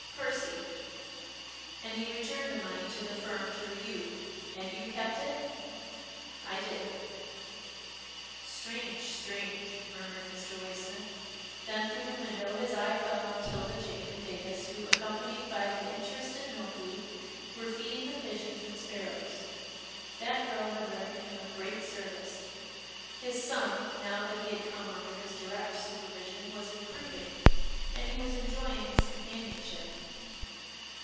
"" Percy." And he returned the money to the firm through you, and you kept it? "" I did." Strange, strange," murmured Mr. Waysmith, then through the window his eye fell on 'Tilda Jane and Datus, who, accompanied by the interested Milkweed, were feeding the pigeons and sparrows. That girl had rendered him a great service. His son, now that he had come under his direct super vision, was improving, and he was enjoying his companionship.